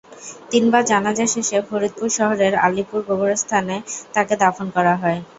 তিনবার জানাজা শেষে ফরিদপুর শহরের আলীপুর গোরস্থানে তাঁকে দাফন করা হয়।